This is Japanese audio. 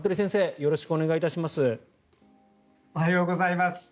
よろしくお願いします。